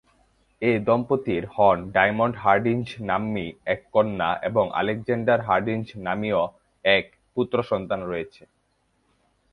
এ দম্পতির হন Diamond Hardinge নাম্নী এক কন্যা এবং আলেকজান্ডার হার্ডিঞ্জ নামীয় এক পুত্র সন্তান রয়েছে।